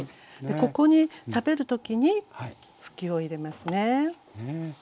ここに食べる時にふきを入れますね。